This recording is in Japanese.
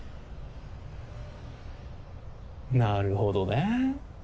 なるほどね。